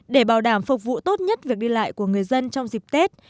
để bảo đảm phục vụ tốt nhất việc đi lại của người dân trong dịp tết